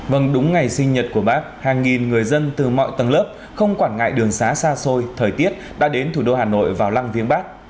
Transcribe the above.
vâng đúng ngày sinh nhật của bác hàng nghìn người dân từ mọi tầng lớp không quản ngại đường xá xa xôi thời tiết đã đến thủ đô hà nội vào lăng viếng bắc